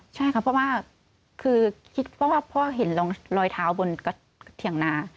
ใช่ครับเพราะว่าคือคิดว่าพ่อเห็นรอยเท้าบนกระเถียงนา